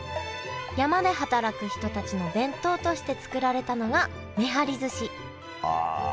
山で働く人たちの弁当として作られたのがめはりずしああ。